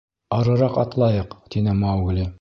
— Арыраҡ атлайыҡ, — тине Маугли.